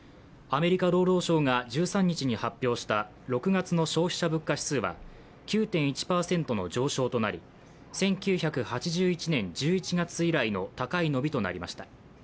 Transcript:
アメリカ労働省が１３日に発表した６月の消費者物価指数は９．１％の上昇となり１９８１年１１月以来の高い伸びとなりました。